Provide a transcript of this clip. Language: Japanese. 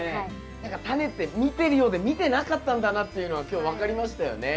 何かタネって見てるようで見てなかったんだなっていうのが今日分かりましたよね。